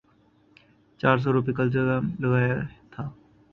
چار سو روپے کا الزام لگایا تھا۔